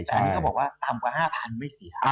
แต่อันนี้เขาบอกว่าต่ำกว่า๕๐๐๐ไม่เสีย